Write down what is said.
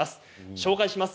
紹介します。